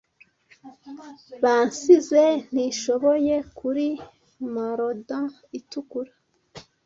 Bansize ntishoboye kuri marauder itukura,